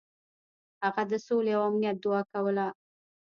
هغه د سولې او امنیت دعا کوله.